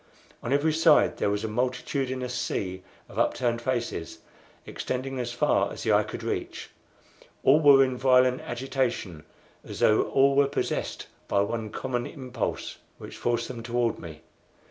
On every side there was a multitudinous sea of upturned faces, extending as far as the eye could reach. All were in violent agitation, as though all were possessed by one common impulse which forced them toward me.